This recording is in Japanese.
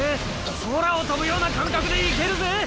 空を飛ぶような感覚でイケるぜ！